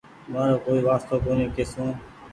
مآرو ڪوئي وآستو ڪونيٚ ڪسون